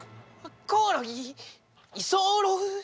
コオロギ？居候？